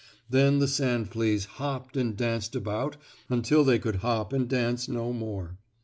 Then the sand fleas hopped and danced about until they could hop and dance no more.